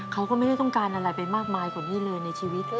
เขาก็ไม่ได้ต้องการอะไรเป็นมากมายของพี่เรินในชีวิต